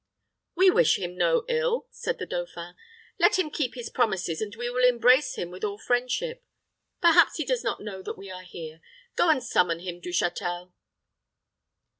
"We wish him no ill," said the dauphin. "Let him keep his promises, and we will embrace him with all friendship. Perhaps he does not know that we are here. Go and summon him, Du Châtel."